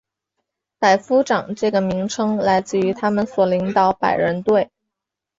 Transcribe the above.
百夫长这个名称来自于他们所领导百人队。